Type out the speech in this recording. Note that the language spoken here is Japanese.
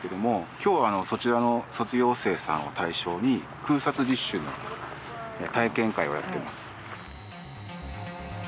今日はそちらの卒業生さんを対象に空撮実習の体験会をやっています。